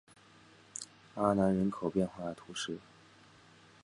阿南人口变化图示